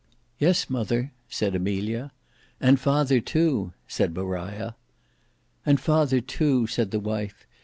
"Yes, mother," said Amelia. "And father, too," said Maria. "And father, too," said the wife.